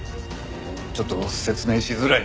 ちょっと説明しづらい。